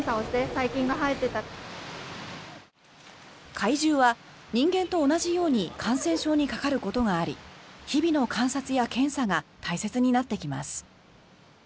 海獣は人間と同じように感染症にかかることがあり日々の観察や検査が大切になってきます。